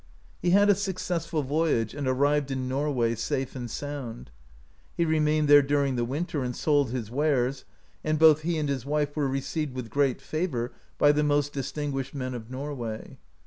He had a successful voyage, and arrived in Norway safe and sound. He remained there during the winter, and sold his wares, and both he and his wife were received with great favour by the most distinguished men of Norway.